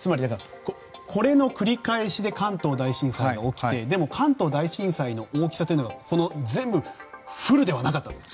つまり、これの繰り返しで関東大震災が起きてでも関東大震災の大きさというのがこの全部フルではなかったと。